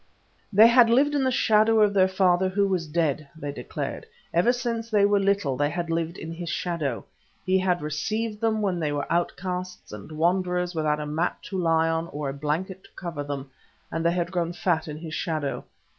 "They had lived in the shadow of their father, who was dead," they declared; "ever since they were little they had lived in his shadow. He had received them when they were outcasts and wanderers without a mat to lie on, or a blanket to cover them, and they had grown fat in his shadow.